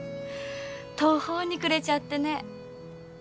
途方に暮れちゃってね。